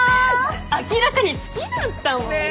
明らかに好きだったもんね。